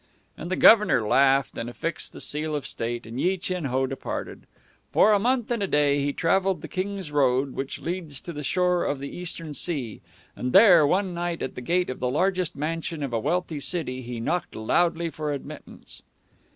And the Governor laughed and affixed the seal of state, and Yi Chin Ho departed. For a month and a day he traveled the King's Road which leads to the shore of the Eastern Sea; and there, one night, at the gate of the largest mansion of a wealthy city he knocked loudly for admittance.